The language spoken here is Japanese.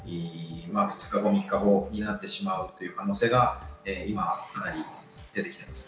２日後、３日後になってしまう可能性がかなり出てきています。